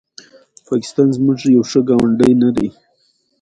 ښارونه د افغانستان د ځانګړي ډول جغرافیه استازیتوب کوي.